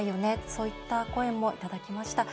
そういった声もいただきました。